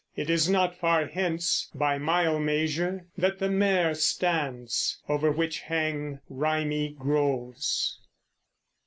It is not far hence, By mile measure, that the mere stands, Over which hang rimy groves.